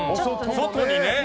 外にね。